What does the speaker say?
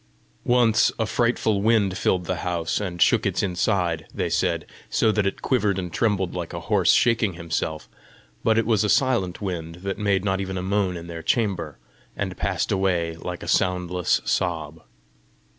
Once, a frightful wind filled the house, and shook its inside, they said, so that it quivered and trembled like a horse shaking himself; but it was a silent wind that made not even a moan in their chamber, and passed away like a soundless sob.